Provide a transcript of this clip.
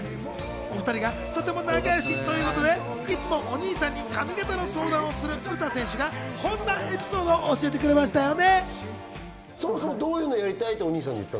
お２人がとても仲よしということで、いつもお兄さんに髪形の相談をする詩選手はこんなエピソードを教えてくれましたよね。